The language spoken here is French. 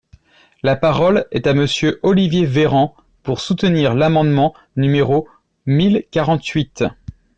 La parole est à Monsieur Olivier Véran, pour soutenir l’amendement numéro mille quarante-huit.